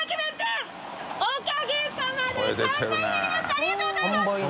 ありがとうございます！